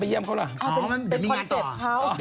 ไปเยี่ยมเขาเหรออ๋อมีงานต่อ